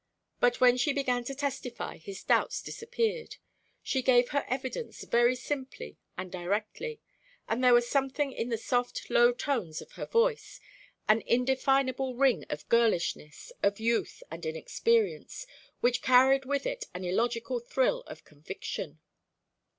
But when she began to testify his doubts disappeared. She gave her evidence very simply and directly, and there was something in the soft, low tones of her voice, an indefinable ring of girlishness, of youth and inexperience, which carried with it an illogical thrill of conviction.